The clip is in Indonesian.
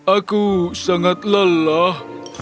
aku sangat lelah